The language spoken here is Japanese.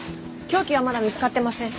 凶器はまだ見つかってません。